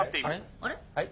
あれ！